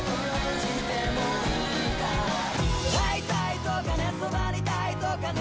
「会いたいとかね、そばに居たいとかね」